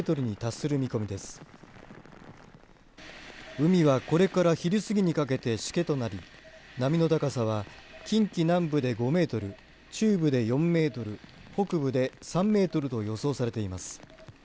海はこれから昼過ぎにかけてしけとなり波の高さは近畿南部で５メートル中部で４メートル北部で３メートルと予想されています。